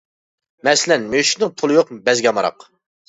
مەسىلەن: «مۈشۈكنىڭ پۇلى يوق بەزگە ئامراق» .